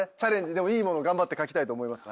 でもいいもの頑張って書きたいと思います。